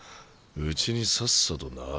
うちにさっさと慣れろ。